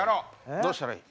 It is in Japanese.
どうしたらいい？